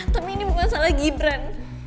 tapi ini bukan salah gibran